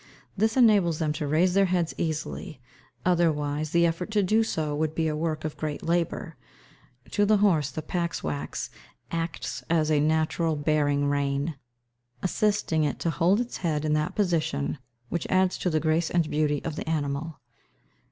This enables them to raise their heads easily; otherwise the effort to do so would be a work of great labour. To the horse, the pax wax acts as a natural bearing rein, assisting it to hold its head in that position which adds to the grace and beauty of the animal.